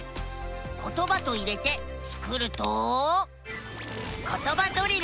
「ことば」と入れてスクると「ことばドリル」。